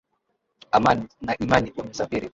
Amani na imani wamesafiri